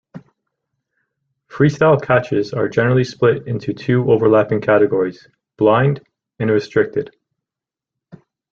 Freestyle catches are generally split into two overlapping categories: blind and restricted.